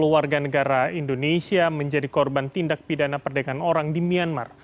sepuluh warga negara indonesia menjadi korban tindak pidana perdagangan orang di myanmar